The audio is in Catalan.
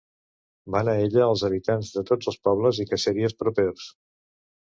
Van a ella els habitants de tots els pobles i caseries propers.